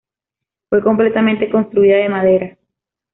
Fue completamente construida de madera.